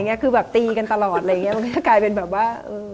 ใช่คือตีกันตลอดมันก็จะกลายเป็นแบบว่า